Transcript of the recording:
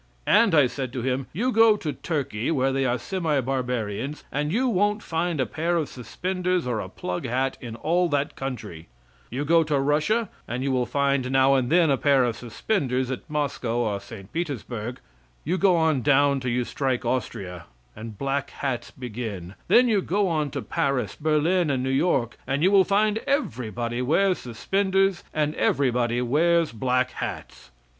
And I said to him: "You go to Turkey, where they are semi barbarians, and you won't find a pair of suspenders or a plug hat in all that country; you go to Russia, and you will find now and then a pair of suspenders at Moscow or St. Petersburg; you go on down till you strike Austria, and black hats begin; then you go on to Paris, Berlin and New York, and you will find everybody wears suspenders and everybody wears black hats.